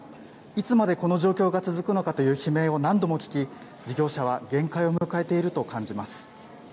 いつまでこの状況が続くのかという悲鳴を何度も聞き、事業者は限界を迎えていると感じます。